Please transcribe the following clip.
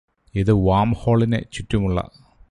ഇത് വാംഹോളിന് ചുറ്റുമുള്ള